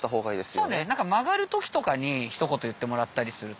そうね曲がる時とかにひと言言ってもらったりすると。